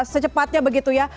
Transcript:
secepatnya begitu ya